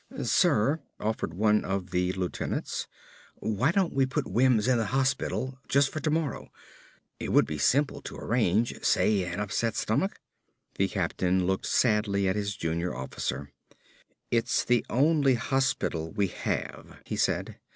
"Sir," offered one of the lieutenants, "why don't we put Wims in the hospital just for tomorrow. It would be simple to arrange say, an upset stomach." The captain looked sadly at his junior officer. "It's the only hospital we have," he said.